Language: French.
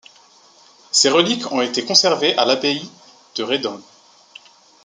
Ses reliques ont été conservées à l'Abbaye de Redon.